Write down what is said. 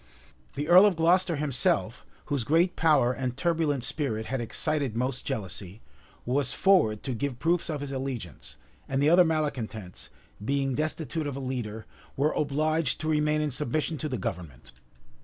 The earl of Glocester himself, whose great power and turbulent spirit had excited most jealousy, was forward to give proofs of his allegiance; and the other malecontents, being destitute of a leader, were obliged to remain in submission to the government.